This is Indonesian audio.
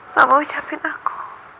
mama ucapin aku